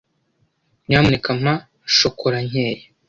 Nyamuneka mpa shokora nkeya.